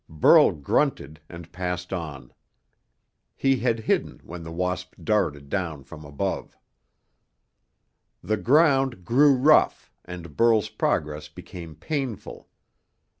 Burl grunted, and passed on. He had hidden when the wasp darted down from above. The ground grew rough, and Burl's progress became painful.